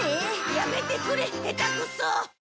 やめてくれ下手くそ！